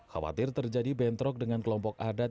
khawatir terjadi bentrok dengan kelompok adat